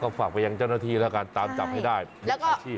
ฝากไปยังเจ้าหน้าที่แล้วกันตามจับให้ได้ยึดอาชีพ